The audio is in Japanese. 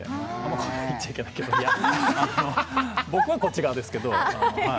僕もこっち側ですけど。